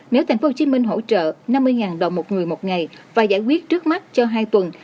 nếu tp hcm hỗ trợ năm mươi đồng một người một ngày và giải quyết trước mắt cho hai tuần